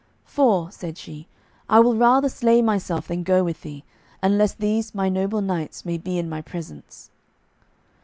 "For," said she, "I will rather slay myself than go with thee, unless these my noble knights may be in my presence."